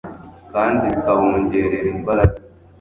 kandi bikawongerera imbaraga